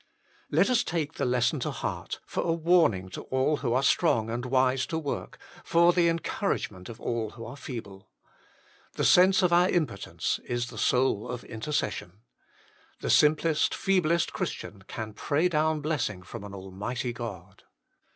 Let us take the lesson to heart, for a warning to all who are strong and wise to work, for the encouragement of all who are feeble. The sense of our impotence is the soul of intercession. The simplest, feeblest Christian can pray down blessing from an Almighty God.